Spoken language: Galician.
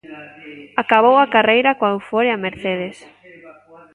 Acabou a carreira coa euforia en Mercedes.